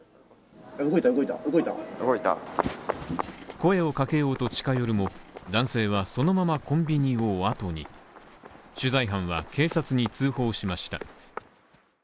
声をかけようと近寄るも、男性はそのままコンビニをあとに取材班は、警察に通報しました。